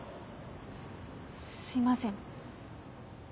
すっすいません。